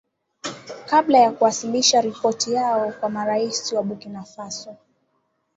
kabla ya kuwasilisha ripoti yao kwa marais wa bukinafaso